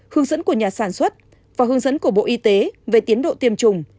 hướng dẫn của nhà sản xuất và hướng dẫn của bộ y tế về tiến độ tiêm chủng